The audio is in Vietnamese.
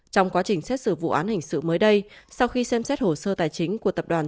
trong quá trình xét xử vụ án hình sự mới đây sau khi xem xét hồ sơ tài chính của tập đoàn